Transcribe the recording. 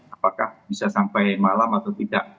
apakah bisa sampai malam atau tidak